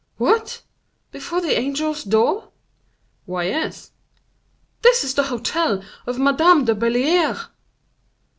"What! before the angel's door?" "Why, yes." "This is the hotel of Madame de Belliere!"